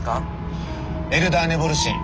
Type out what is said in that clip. エルダー・ネボルシン。